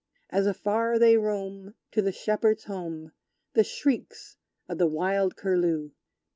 As afar they roam To the shepherd's home, The shrieks of the wild Curlew!